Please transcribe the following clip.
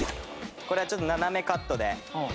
これはちょっと斜めカットで。